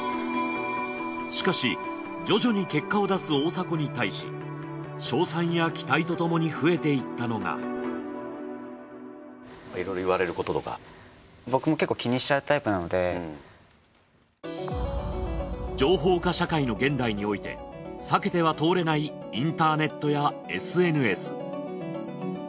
しかし徐々に結果を出す大迫に対し賞賛や期待とともに増えていったのが情報化社会の現代において避けては通れないインターネットやＳＮＳ。